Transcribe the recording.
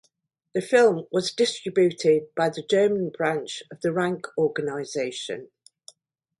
The film was distributed by the German branch of the Rank Organisation.